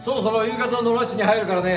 夕方のラッシュに入るからね。